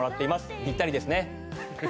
ぴったりですね。